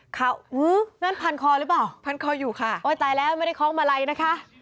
เขานั่นพันคอหรือเปล่าพันคออยู่ค่ะโอ้ยตายแล้วไม่ได้คล้องมาลัยนะคะ